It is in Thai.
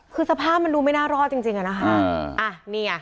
คือสภาพมันดูไม่น่ารอดจริงอ่ะนี่อ่ะ